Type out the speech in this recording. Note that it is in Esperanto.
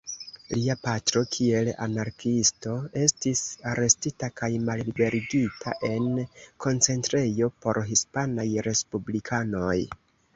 Lia patro, kiel anarkiisto, estis arestita kaj malliberigita en koncentrejo por hispanaj respublikanoj.